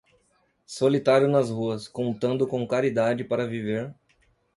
Solitário nas ruas, contando com caridade para viver